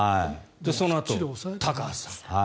そのあと高橋さん。